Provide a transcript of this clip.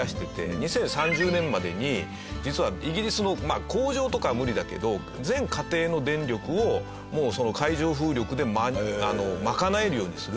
２０３０年までに実はイギリスのまあ工場とかは無理だけど全家庭の電力をもうその海上風力で賄えるようにする。